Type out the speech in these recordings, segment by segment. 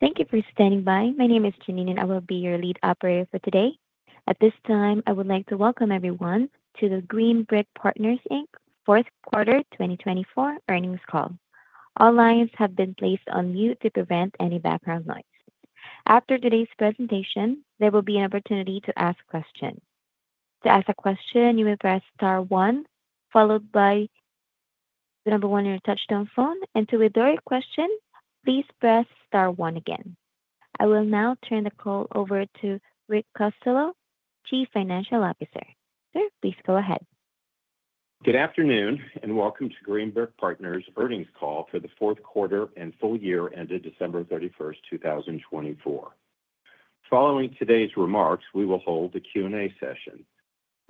Thank you for standing by. My name is Janine, and I will be your lead operator for today. At this time, I would like to welcome everyone to the Green Brick Partners, Inc., Fourth Quarter 2024 Earnings Call. All lines have been placed on mute to prevent any background noise. After today's presentation, there will be an opportunity to ask questions. To ask a question, you may press star one, followed by the number one on your touch-tone phone, and to withdraw your question, please press star one again. I will now turn the call over to Rich Costello, Chief Financial Officer. Sir, please go ahead. Good afternoon and welcome to Green Brick Partners' earnings call for the fourth quarter and full year ended December 31st, 2024. Following today's remarks, we will hold a Q&A session.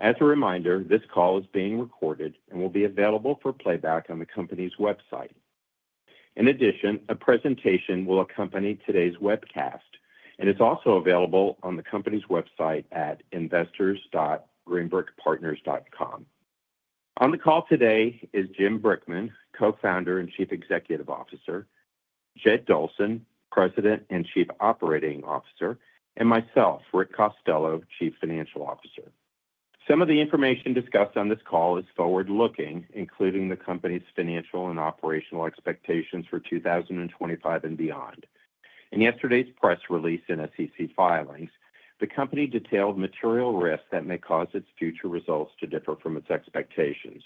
As a reminder, this call is being recorded and will be available for playback on the company's website. In addition, a presentation will accompany today's webcast, and it's also available on the company's website at investors.greenbrickpartners.com. On the call today is James Brickman, Co-founder and Chief Executive Officer, Jed Dolson, President and Chief Operating Officer, and myself, Rich Costello, Chief Financial Officer. Some of the information discussed on this call is forward-looking, including the company's financial and operational expectations for 2025 and beyond. In yesterday's press release in SEC filings, the company detailed material risks that may cause its future results to differ from its expectations.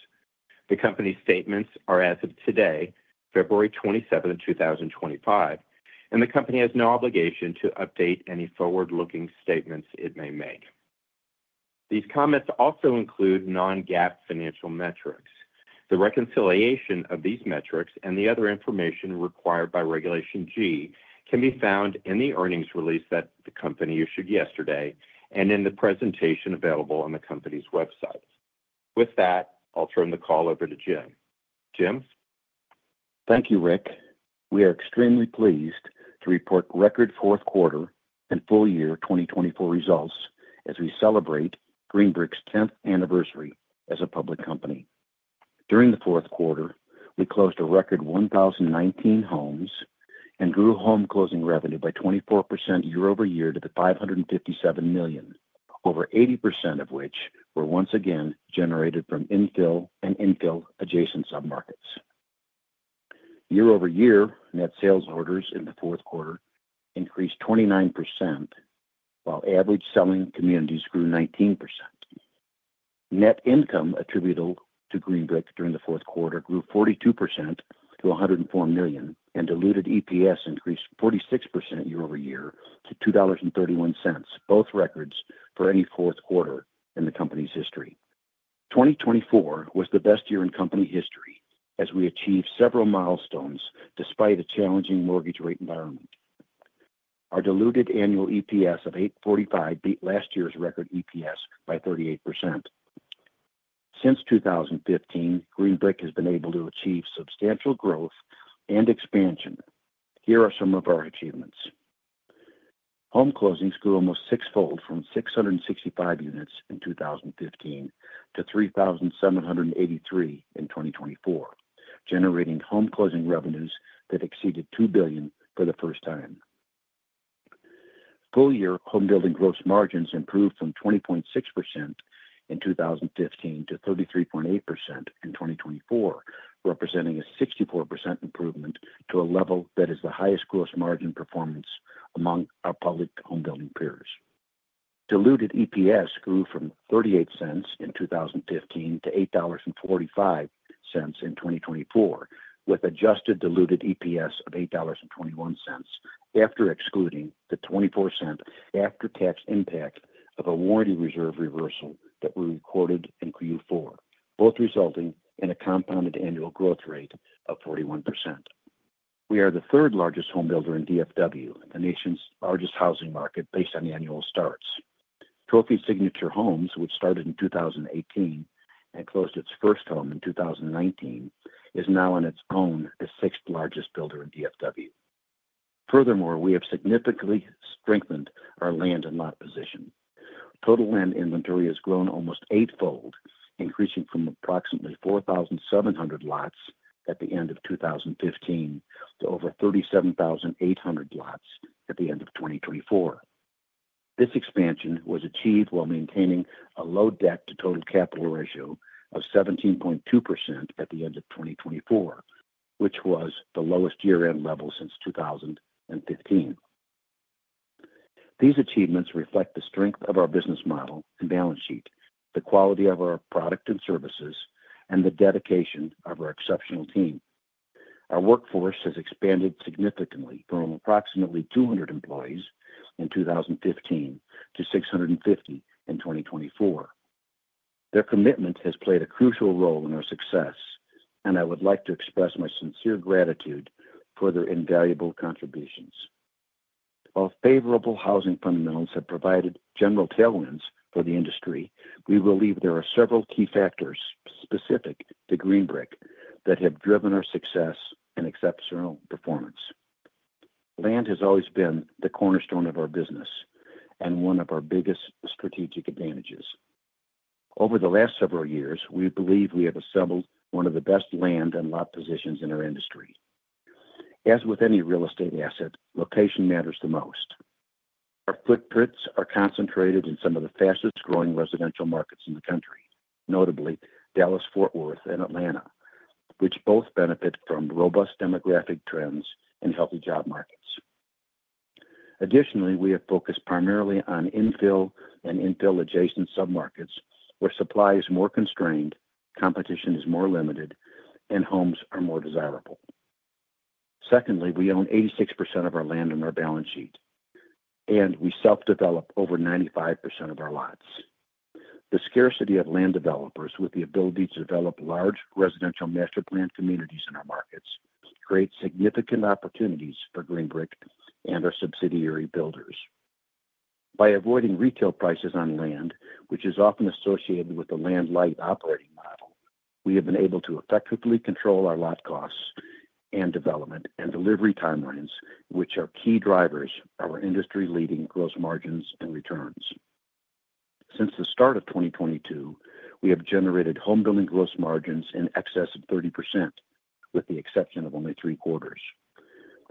The company's statements are, as of today, February 27th, 2025, and the company has no obligation to update any forward-looking statements it may make. These comments also include non-GAAP financial metrics. The reconciliation of these metrics and the other information required by Regulation G can be found in the earnings release that the company issued yesterday and in the presentation available on the company's website. With that, I'll turn the call over to James. James? Thank you, Rich. We are extremely pleased to report record fourth quarter and full year 2024 results as we celebrate Green Brick's 10th anniversary as a public company. During the fourth quarter, we closed a record 1,019 homes and grew home closing revenue by 24% year over year to $557 million, over 80% of which were once again generated from infill and infill-adjacent submarkets. Year over year, net sales orders in the fourth quarter increased 29%, while average selling communities grew 19%. Net income attributable to Green Brick during the fourth quarter grew 42% to $104 million, and diluted EPS increased 46% year over year to $2.31, both records for any fourth quarter in the company's history. 2024 was the best year in company history as we achieved several milestones despite a challenging mortgage rate environment. Our diluted annual EPS of $8.45 beat last year's record EPS by 38%. Since 2015, Green Brick has been able to achieve substantial growth and expansion. Here are some of our achievements. Home closings grew almost sixfold from 665 units in 2015 to 3,783 in 2024, generating home closing revenues that exceeded $2 billion for the first time. Full year homebuilding gross margins improved from 20.6% in 2015 to 33.8% in 2024, representing a 64% improvement to a level that is the highest gross margin performance among our public homebuilding peers. Diluted EPS grew from $0.38 in 2015 to $8.45 in 2024, with adjusted diluted EPS of $8.21 after excluding the 24% after-tax impact of a warranty reserve reversal that we recorded in Q4, both resulting in a compounded annual growth rate of 41%. We are the third largest homebuilder in DFW, the nation's largest housing market based on annual starts. Trophy Signature Homes, which started in 2018 and closed its first home in 2019, is now on its own the sixth largest builder in DFW. Furthermore, we have significantly strengthened our land and lot position. Total land inventory has grown almost eightfold, increasing from approximately 4,700 lots at the end of 2015 to over 37,800 lots at the end of 2024. This expansion was achieved while maintaining a low debt-to-total capital ratio of 17.2% at the end of 2024, which was the lowest year-end level since 2015. These achievements reflect the strength of our business model and balance sheet, the quality of our product and services, and the dedication of our exceptional team. Our workforce has expanded significantly from approximately 200 employees in 2015 to 650 in 2024. Their commitment has played a crucial role in our success, and I would like to express my sincere gratitude for their invaluable contributions. While favorable housing fundamentals have provided general tailwinds for the industry, we believe there are several key factors specific to Green Brick that have driven our success and exceptional performance. Land has always been the cornerstone of our business and one of our biggest strategic advantages. Over the last several years, we believe we have assembled one of the best land and lot positions in our industry. As with any real estate asset, location matters the most. Our footprints are concentrated in some of the fastest-growing residential markets in the country, notably Dallas-Fort Worth and Atlanta, which both benefit from robust demographic trends and healthy job markets. Additionally, we have focused primarily on infill and infill-adjacent submarkets, where supply is more constrained, competition is more limited, and homes are more desirable. Secondly, we own 86% of our land on our balance sheet, and we self-develop over 95% of our lots. The scarcity of land developers with the ability to develop large residential master-planned communities in our markets creates significant opportunities for Green Brick and our subsidiary builders. By avoiding retail prices on land, which is often associated with a land-light operating model, we have been able to effectively control our lot costs and development and delivery timelines, which are key drivers of our industry-leading gross margins and returns. Since the start of 2022, we have generated homebuilding gross margins in excess of 30%, with the exception of only three quarters.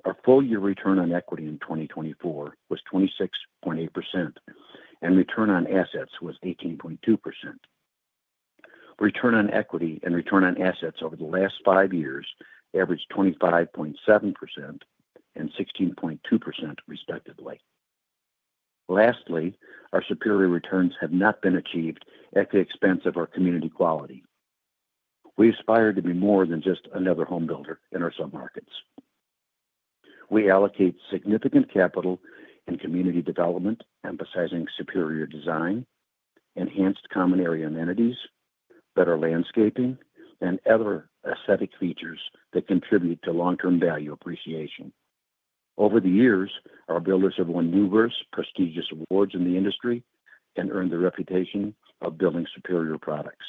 Our full year return on equity in 2024 was 26.8%, and return on assets was 18.2%. Return on equity and return on assets over the last five years averaged 25.7% and 16.2%, respectively. Lastly, our superior returns have not been achieved at the expense of our community quality. We aspire to be more than just another home builder in our submarkets. We allocate significant capital in community development, emphasizing superior design, enhanced common area amenities, better landscaping, and other aesthetic features that contribute to long-term value appreciation. Over the years, our builders have won numerous prestigious awards in the industry and earned the reputation of building superior products.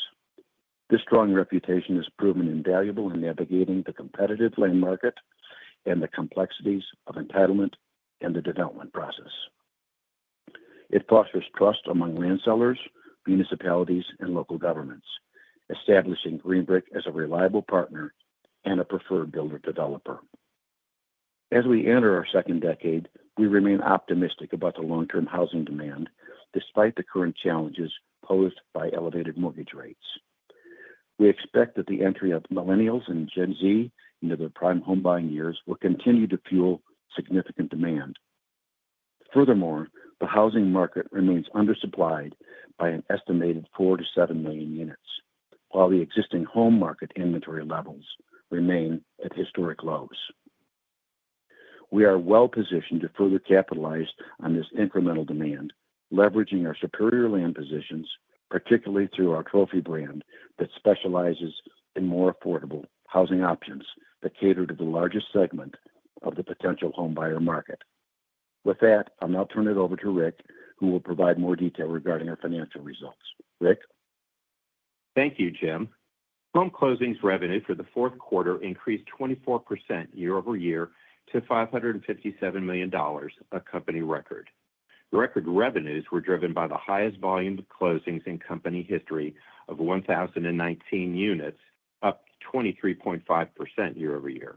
This strong reputation has proven invaluable in navigating the competitive land market and the complexities of entitlement and the development process. It fosters trust among land sellers, municipalities, and local governments, establishing Green Brick as a reliable partner and a preferred builder developer. As we enter our second decade, we remain optimistic about the long-term housing demand, despite the current challenges posed by elevated mortgage rates. We expect that the entry of millennials and Gen Z into their prime home buying years will continue to fuel significant demand. Furthermore, the housing market remains undersupplied by an estimated 4 to 7 million units, while the existing home market inventory levels remain at historic lows. We are well positioned to further capitalize on this incremental demand, leveraging our superior land positions, particularly through our Trophy brand that specializes in more affordable housing options that cater to the largest segment of the potential home buyer market. With that, I'll now turn it over to Rich, who will provide more detail regarding our financial results. Rich? Thank you, James. Home closings revenue for the fourth quarter increased 24% year over year to $557 million, a company record. Record revenues were driven by the highest volume of closings in company history of 1,019 units, up 23.5% year over year.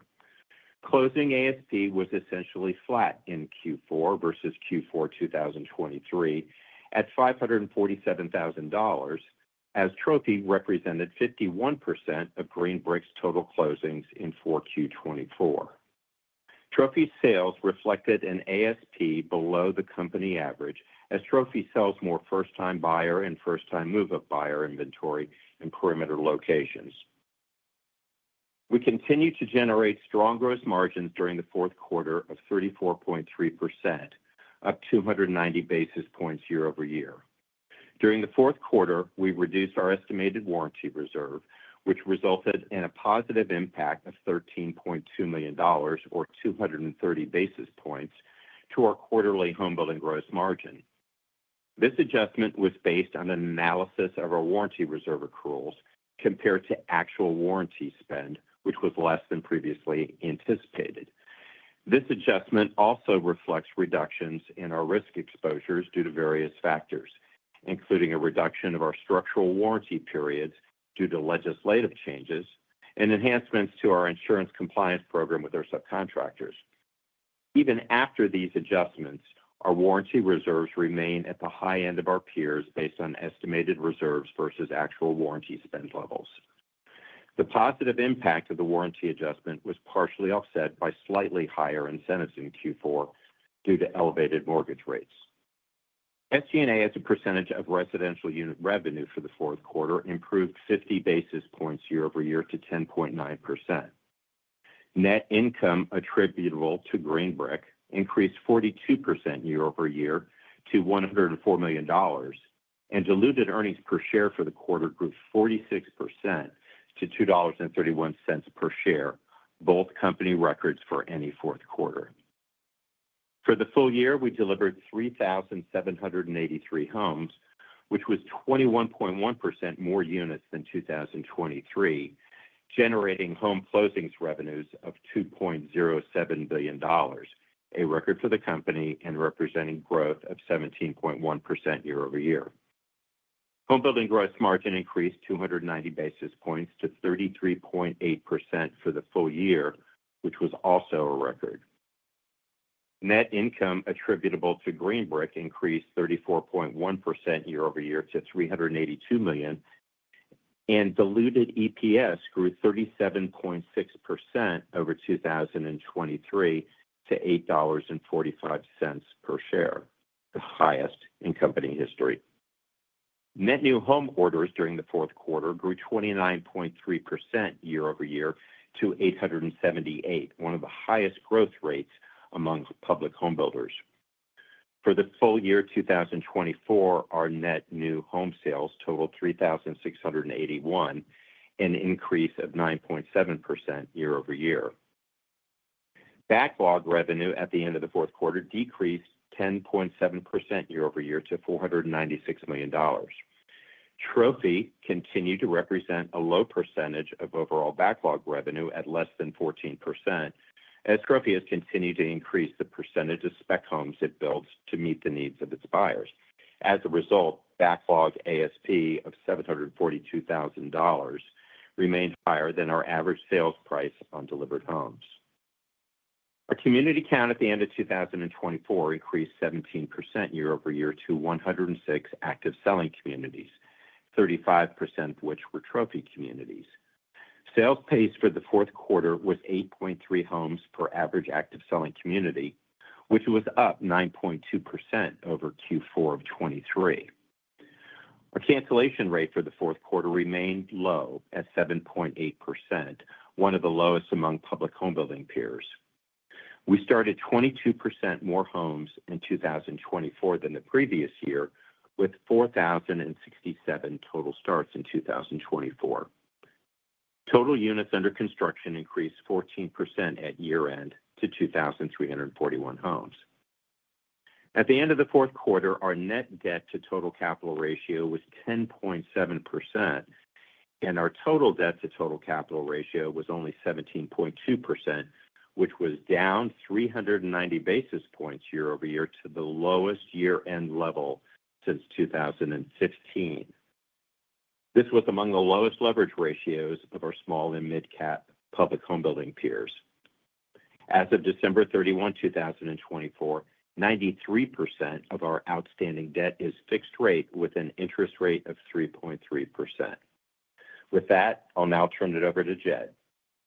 Closing ASP was essentially flat in Q4 versus Q4 2023 at $547,000, as Trophy represented 51% of Green Brick's total closings in 4Q24. Trophy sales reflected an ASP below the company average, as Trophy sells more first-time buyer and first-time move-up buyer inventory in perimeter locations. We continue to generate strong gross margins during the fourth quarter of 34.3%, up 290 basis points year over year. During the fourth quarter, we reduced our estimated warranty reserve, which resulted in a positive impact of $13.2 million, or 230 basis points, to our quarterly homebuilding gross margin. This adjustment was based on an analysis of our warranty reserve accruals compared to actual warranty spend, which was less than previously anticipated. This adjustment also reflects reductions in our risk exposures due to various factors, including a reduction of our structural warranty periods due to legislative changes and enhancements to our insurance compliance program with our subcontractors. Even after these adjustments, our warranty reserves remain at the high end of our peers based on estimated reserves versus actual warranty spend levels. The positive impact of the warranty adjustment was partially offset by slightly higher incentives in Q4 due to elevated mortgage rates. SG&A as a percentage of residential unit revenue for the fourth quarter improved 50 basis points year over year to 10.9%. Net income attributable to Green Brick increased 42% year over year to $104 million, and diluted earnings per share for the quarter grew 46% to $2.31 per share, both company records for any fourth quarter. For the full year, we delivered 3,783 homes, which was 21.1% more units than 2023, generating home closings revenues of $2.07 billion, a record for the company and representing growth of 17.1% year over year. Homebuilding gross margin increased 290 basis points to 33.8% for the full year, which was also a record. Net income attributable to Green Brick increased 34.1% year over year to $382 million, and diluted EPS grew 37.6% over 2023 to $8.45 per share, the highest in company history. Net new home orders during the fourth quarter grew 29.3% year over year to 878, one of the highest growth rates among public home builders. For the full year 2024, our net new home sales totaled 3,681, an increase of 9.7% year over year. Backlog revenue at the end of the fourth quarter decreased 10.7% year over year to $496 million. Trophy continued to represent a low percentage of overall backlog revenue at less than 14%, as Trophy has continued to increase the percentage of spec homes it builds to meet the needs of its buyers. As a result, backlog ASP of $742,000 remained higher than our average sales price on delivered homes. Our community count at the end of 2024 increased 17% year over year to 106 active selling communities, 35% of which were Trophy communities. Sales pace for the fourth quarter was 8.3 homes per average active selling community, which was up 9.2% over Q4 of 2023. Our cancellation rate for the fourth quarter remained low at 7.8%, one of the lowest among public homebuilding peers. We started 22% more homes in 2024 than the previous year, with 4,067 total starts in 2024. Total units under construction increased 14% at year-end to 2,341 homes. At the end of the fourth quarter, our net debt-to-total capital ratio was 10.7%, and our total debt-to-total capital ratio was only 17.2%, which was down 390 basis points year over year to the lowest year-end level since 2016. This was among the lowest leverage ratios of our small and mid-cap public homebuilding peers. As of December 31, 2024, 93% of our outstanding debt is fixed rate with an interest rate of 3.3%. With that, I'll now turn it over to Jed.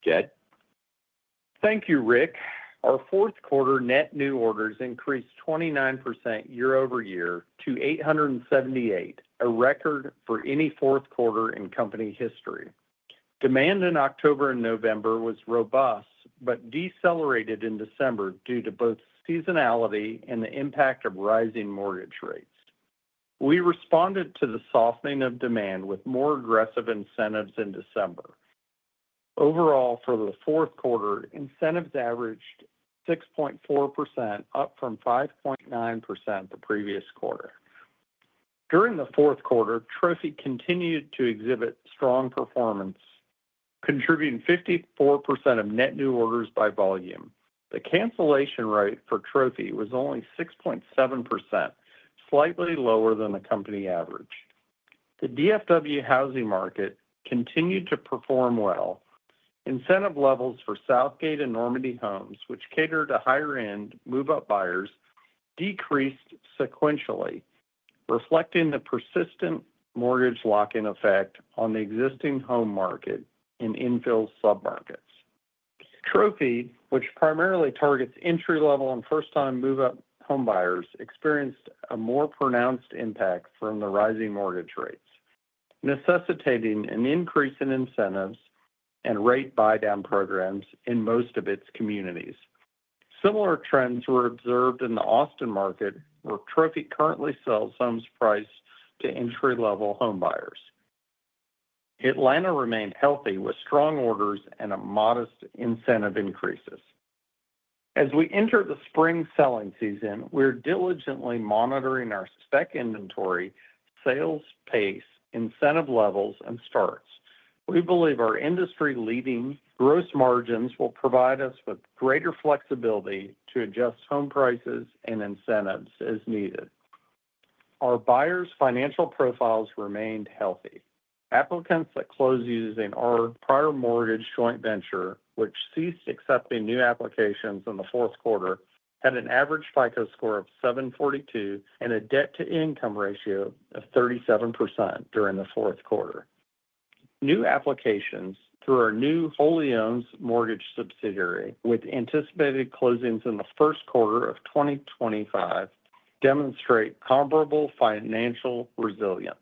Jed. Thank you, Rich. Our fourth quarter net new orders increased 29% year over year to 878, a record for any fourth quarter in company history. Demand in October and November was robust but decelerated in December due to both seasonality and the impact of rising mortgage rates. We responded to the softening of demand with more aggressive incentives in December. Overall, for the fourth quarter, incentives averaged 6.4%, up from 5.9% the previous quarter. During the fourth quarter, Trophy continued to exhibit strong performance, contributing 54% of net new orders by volume. The cancellation rate for Trophy was only 6.7%, slightly lower than the company average. The DFW housing market continued to perform well. Incentive levels for Southgate and Normandy Homes, which catered to higher-end move-up buyers, decreased sequentially, reflecting the persistent mortgage lock-in effect on the existing home market and infill submarkets. Trophy, which primarily targets entry-level and first-time move-up home buyers, experienced a more pronounced impact from the rising mortgage rates, necessitating an increase in incentives and rate buy-down programs in most of its communities. Similar trends were observed in the Austin market, where Trophy currently sells homes priced to entry-level home buyers. Atlanta remained healthy, with strong orders and modest incentive increases. As we enter the spring selling season, we are diligently monitoring our spec inventory, sales pace, incentive levels, and starts. We believe our industry-leading gross margins will provide us with greater flexibility to adjust home prices and incentives as needed. Our buyers' financial profiles remained healthy. Applicants that closed using our prior mortgage joint venture, which ceased accepting new applications in the fourth quarter, had an average FICO score of 742 and a debt-to-income ratio of 37% during the fourth quarter. New applications through our new Green Brick Mortgage subsidiary, with anticipated closings in the first quarter of 2025, demonstrate comparable financial resilience.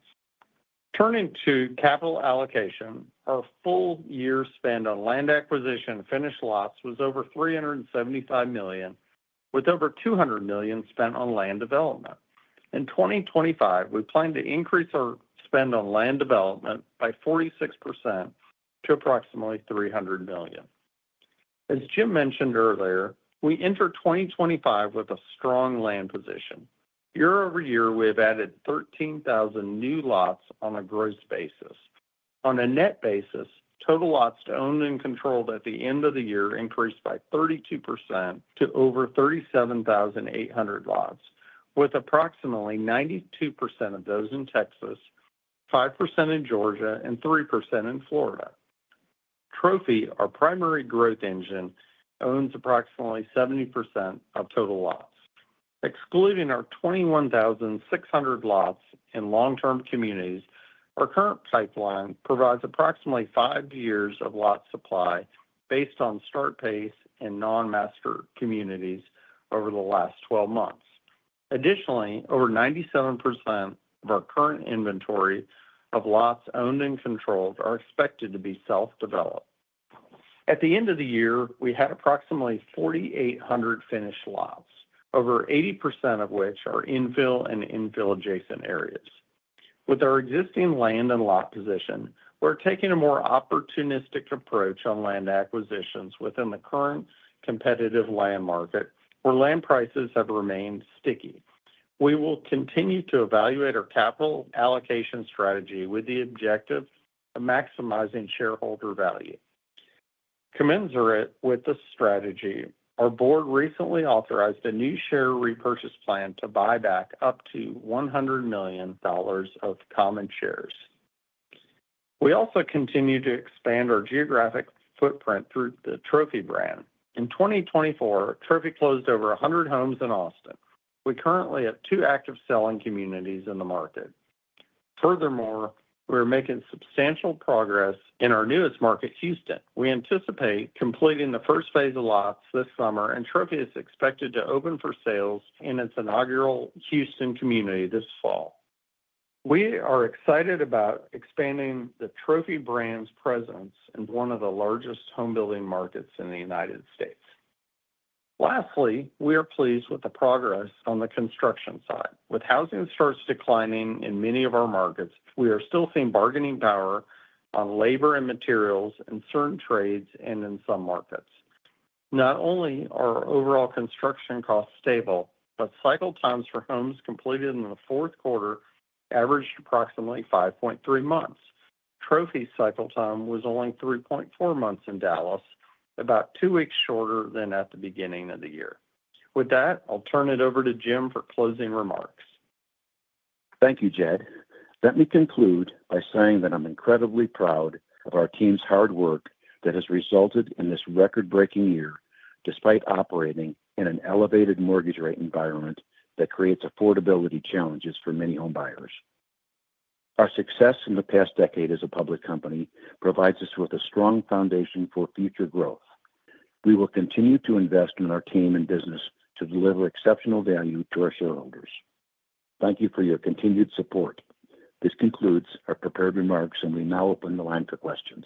Turning to capital allocation, our full year spend on land acquisition and finished lots was over $375 million, with over $200 million spent on land development. In 2025, we plan to increase our spend on land development by 46% to approximately $300 million. As James mentioned earlier, we enter 2025 with a strong land position. Year over year, we have added 13,000 new lots on a gross basis. On a net basis, total lots owned and controlled at the end of the year increased by 32% to over 37,800 lots, with approximately 92% of those in Texas, 5% in Georgia, and 3% in Florida. Trophy, our primary growth engine, owns approximately 70% of total lots. Excluding our 21,600 lots in long-term communities, our current pipeline provides approximately five years of lot supply based on start pace in non-master communities over the last 12 months. Additionally, over 97% of our current inventory of lots owned and controlled are expected to be self-developed. At the end of the year, we had approximately 4,800 finished lots, over 80% of which are infill and infill-adjacent areas. With our existing land and lot position, we're taking a more opportunistic approach on land acquisitions within the current competitive land market, where land prices have remained sticky. We will continue to evaluate our capital allocation strategy with the objective of maximizing shareholder value. Commensurate with the strategy, our board recently authorized a new share repurchase plan to buy back up to $100 million of common shares. We also continue to expand our geographic footprint through the Trophy brand. In 2024, Trophy closed over 100 homes in Austin. We currently have two active selling communities in the market. Furthermore, we are making substantial progress in our newest market, Houston. We anticipate completing the first phase of lots this summer, and Trophy is expected to open for sales in its inaugural Houston community this fall. We are excited about expanding the Trophy brand's presence in one of the largest homebuilding markets in the United States. Lastly, we are pleased with the progress on the construction side. With housing starts declining in many of our markets, we are still seeing bargaining power on labor and materials in certain trades and in some markets. Not only are our overall construction costs stable, but cycle times for homes completed in the fourth quarter averaged approximately 5.3 months. Trophy's cycle time was only 3.4 months in Dallas, about two weeks shorter than at the beginning of the year. With that, I'll turn it over to James for closing remarks. Thank you, Jed. Let me conclude by saying that I'm incredibly proud of our team's hard work that has resulted in this record-breaking year, despite operating in an elevated mortgage rate environment that creates affordability challenges for many home buyers. Our success in the past decade as a public company provides us with a strong foundation for future growth. We will continue to invest in our team and business to deliver exceptional value to our shareholders. Thank you for your continued support. This concludes our prepared remarks, and we now open the line for questions.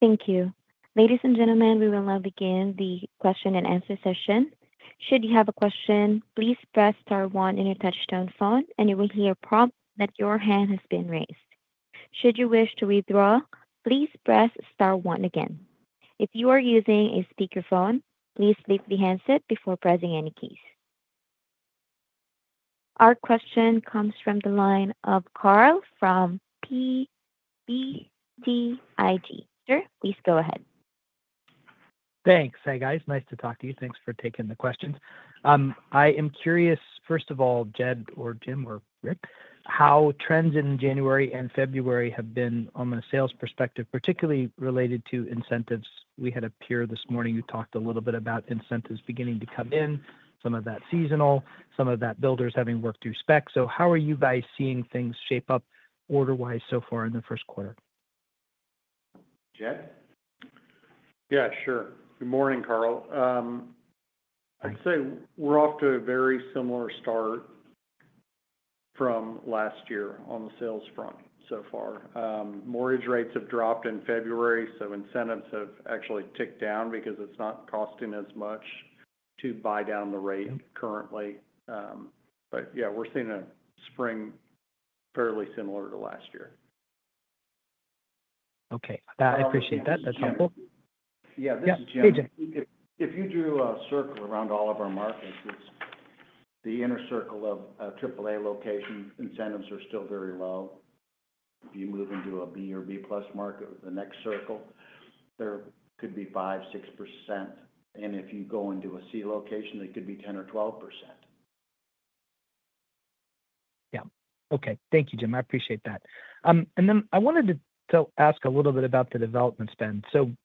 Thank you. Ladies and gentlemen, we will now begin the question and answer session. Should you have a question, please press star one in your touch-tone phone, and you will hear a prompt that your hand has been raised. Should you wish to withdraw, please press star one again. If you are using a speakerphone, please lift the handset before pressing any keys. Our question comes from the line of Carl from BTIG. Sir, please go ahead. Thanks. Hi, guys. Nice to talk to you. Thanks for taking the questions. I am curious, first of all, Jed or James or Rich, how trends in January and February have been on the sales perspective, particularly related to incentives. We had a peer this morning who talked a little bit about incentives beginning to come in, some of that seasonal, some of that builders having worked through spec. So how are you guys seeing things shape up order-wise so far in the first quarter? Jed. Yeah, sure. Good morning, Carl. I'd say we're off to a very similar start from last year on the sales front so far. Mortgage rates have dropped in February, so incentives have actually ticked down because it's not costing as much to buy down the rate currently. But yeah, we're seeing a spring fairly similar to last year. Okay. I appreciate that. That's helpful. Yeah. This is James. Yeah, hey, James. If you drew a circle around all of our markets, it's the inner circle of AAA locations, incentives are still very low. If you move into a B or B-plus market with the next circle, there could be 5%-6%. And if you go into a C location, it could be 10% or 12%. Yeah. Okay. Thank you, James. I appreciate that. And then I wanted to ask a little bit about the development spend.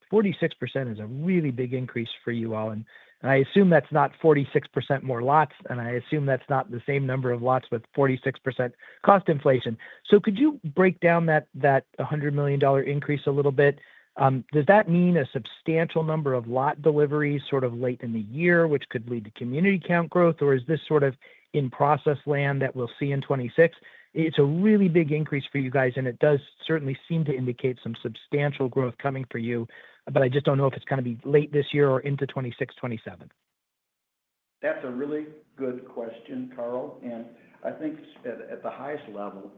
So 46% is a really big increase for you all. And I assume that's not 46% more lots, and I assume that's not the same number of lots with 46% cost inflation. So could you break down that $100 million increase a little bit? Does that mean a substantial number of lot deliveries sort of late in the year, which could lead to community count growth, or is this sort of in-process land that we'll see in 2026? It's a really big increase for you guys, and it does certainly seem to indicate some substantial growth coming for you, but I just don't know if it's going to be late this year or into 2026, 2027. That's a really good question, Carl. And I think at the highest level,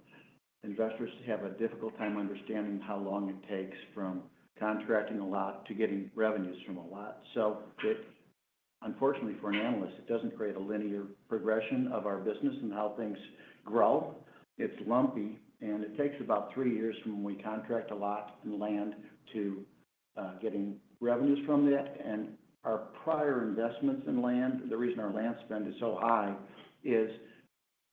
investors have a difficult time understanding how long it takes from contracting a lot to getting revenues from a lot. So unfortunately, for an analyst, it doesn't create a linear progression of our business and how things grow. It's lumpy, and it takes about three years from when we contract a lot and land to getting revenues from that. And our prior investments in land, the reason our land spend is so high, is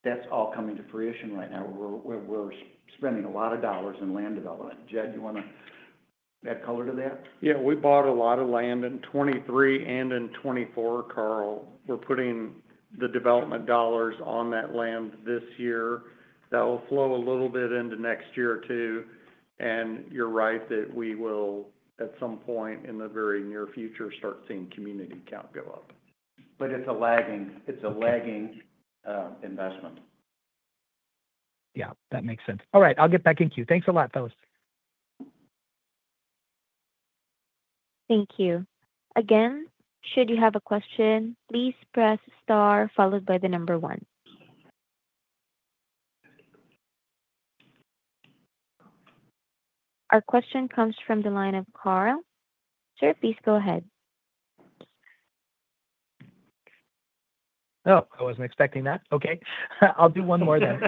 that's all coming to fruition right now. We're spending a lot of dollars in land development. Jed, you want to add color to that? Yeah. We bought a lot of land in 2023 and in 2024, Carl. We're putting the development dollars on that land this year. That will flow a little bit into next year or two. And you're right that we will, at some point in the very near future, start seeing community count go up. But it's a lagging investment. Yeah. That makes sense. All right. I'll get back in queue. Thanks a lot, fellows. Thank you. Again, should you have a question, please press star followed by the number one. Our question comes from the line of Carl. Sir, please go ahead. Oh, I wasn't expecting that. Okay. I'll do one more then.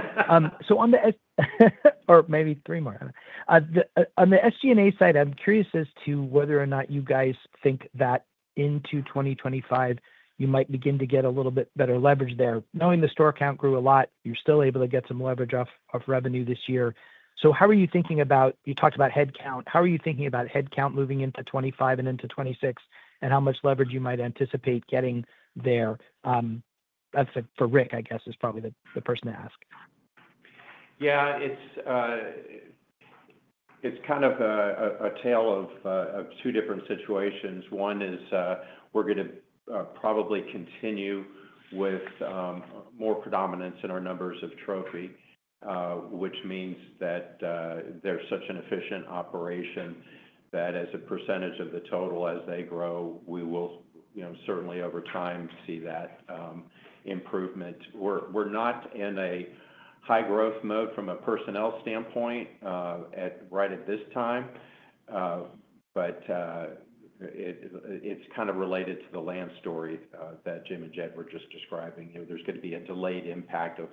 So on the—or maybe three more. On the SG&A side, I'm curious as to whether or not you guys think that into 2025, you might begin to get a little bit better leverage there. Knowing the store count grew a lot, you're still able to get some leverage off revenue this year. So how are you thinking about—you talked about headcount. How are you thinking about headcount moving into 2025 and into 2026, and how much leverage you might anticipate getting there? That's for Rich, I guess, is probably the person to ask. Yeah. It's kind of a tale of two different situations. One is we're going to probably continue with more predominance in our numbers of Trophy, which means that they're such an efficient operation that as a percentage of the total, as they grow, we will certainly, over time, see that improvement. We're not in a high-growth mode from a personnel standpoint right at this time, but it's kind of related to the land story that James and Jed were just describing. There's going to be a delayed impact of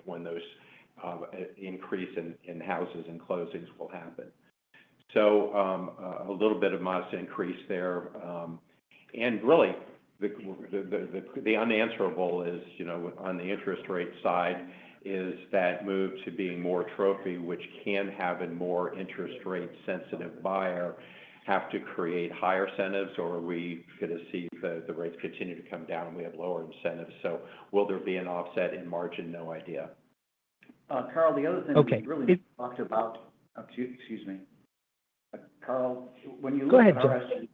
when those increase in houses and closings will happen. So a little bit of modest increase there. And really, the unanswerable on the interest rate side is that move to being more Trophy, which can have a more interest rate-sensitive buyer, have to create higher incentives, or are we going to see the rates continue to come down and we have lower incentives? So will there be an offset in margin? No idea. Carl, the other thing we really talked about, excuse me. Carl, when you look at our estimates,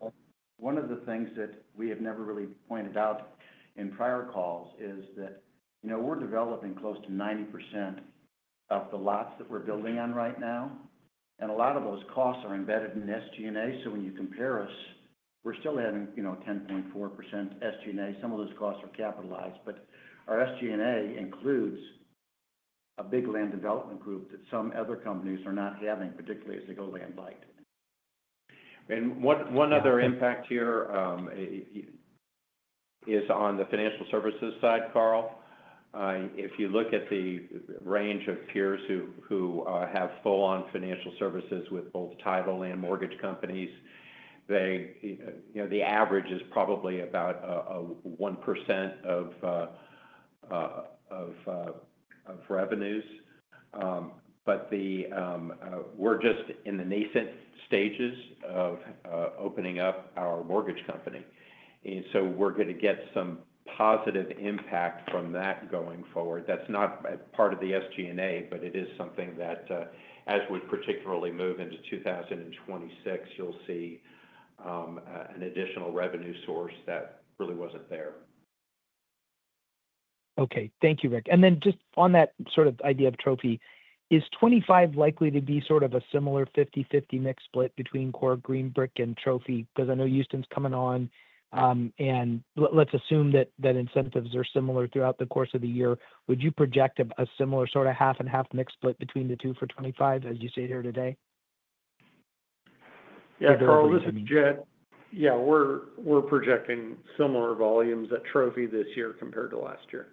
one of the things that we have never really pointed out in prior calls is that we're developing close to 90% of the lots that we're building on right now. And a lot of those costs are embedded in SG&A. So when you compare us, we're still having 10.4% SG&A. Some of those costs are capitalized, but our SG&A includes a big land development group that some other companies are not having, particularly as they go land-light. And one other impact here is on the financial services side, Carl. If you look at the range of peers who have full-on financial services with both title and mortgage companies, the average is probably about 1% of revenues. But we're just in the nascent stages of opening up our mortgage company. And so we're going to get some positive impact from that going forward. That's not part of the SG&A, but it is something that, as we particularly move into 2026, you'll see an additional revenue source that really wasn't there. Okay. Thank you, Rich. And then just on that sort of idea of Trophy, is 2025 likely to be sort of a similar 50/50 mix split between core Green Brick and Trophy? Because I know Houston's coming on, and let's assume that incentives are similar throughout the course of the year. Would you project a similar sort of half-and-half mix split between the two for 2025, as you sit here today? Yeah, Carl, this is Jed. Yeah, we're projecting similar volumes at Trophy this year compared to last year.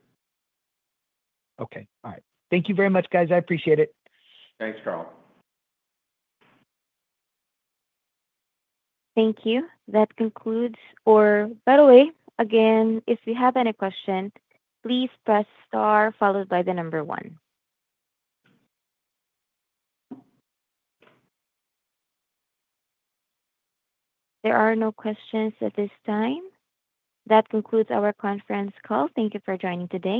Okay. All right. Thank you very much, guys. I appreciate it. Thanks, Carl. Thank you. That concludes our. By the way, again, if you have any questions, please press star followed by the number one. There are no questions at this time. That concludes our conference call. Thank you for joining today.